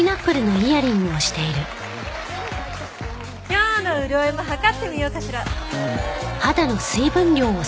今日の潤いも測ってみようかしら。